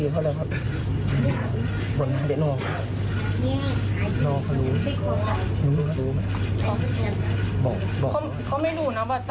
ขอบคุณครับ